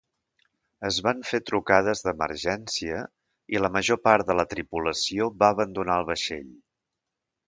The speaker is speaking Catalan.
Es van fer trucades d'emergència, i la major part de la tripulació va abandonar el vaixell.